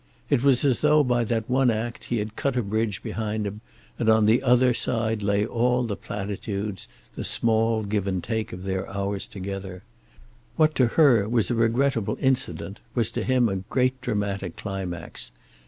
It was as though by that one act he had cut a bridge behind him and on the other side lay all the platitudes, the small give and take of their hours together. What to her was a regrettable incident was to him a great dramatic climax.